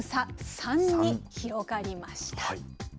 ３に広がりました。